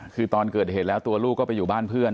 คือตอนเกิดเหตุแล้วตัวลูกก็ไปอยู่บ้านเพื่อน